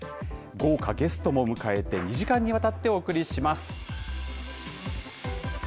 豪華ゲストも迎えて、２時間にわたってお送りします。